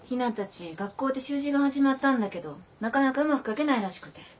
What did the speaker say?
学校で習字が始まったんだけどなかなかうまく書けないらしくて。